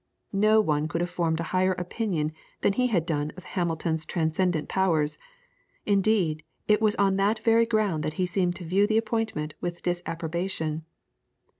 No one could have formed a higher opinion than he had done of Hamilton's transcendent powers; indeed, it was on that very ground that he seemed to view the appointment with disapprobation.